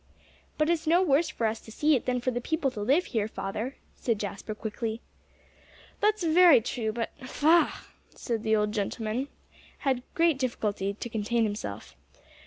"But it's no worse for us to see it than for the people to live here, father," said Jasper quickly. "That's very true but faugh!" and the old gentleman had great difficulty to contain himself.